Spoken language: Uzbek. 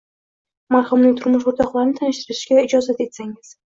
Marhumning turmush o`rtoqlarini tanishtirishga ijozat etsangiz